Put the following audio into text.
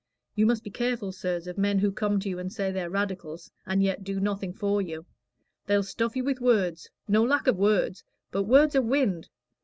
You must be careful, sirs, of men who come to you and say they're Radicals, and yet do nothing for you. They'll stuff you with words no lack of words but words are wind.